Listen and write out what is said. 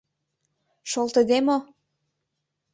Шолтыде мо!